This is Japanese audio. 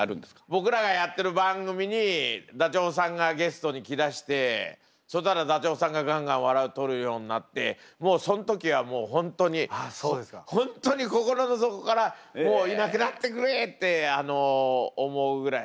僕らがやってる番組にダチョウさんがゲストに来だしてそしたらダチョウさんがガンガン笑いを取るようになってもうその時はもう本当に本当に心の底から「もういなくなってくれ」って思うぐらいでしたね。